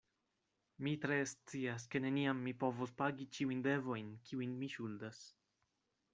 Mi tre scias, ke neniam mi povos pagi ĉiujn devojn, kiujn mi ŝuldas.